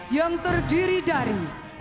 yang terdiri dari